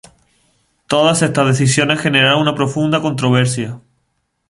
Todas estas decisiones generaron una profunda controversia.